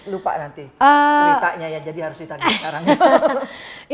lupa nanti ceritanya ya jadi harus ditagi sekarang itu